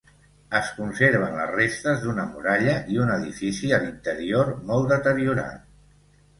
Es conserven les restes d'una muralla i un edifici a l'interior molt deteriorat.